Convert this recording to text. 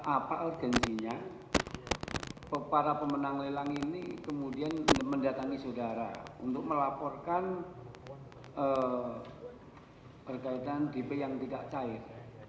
apa urgensinya para pemenang lelang ini kemudian mendatangi saudara untuk melaporkan berkaitan dp yang tidak cair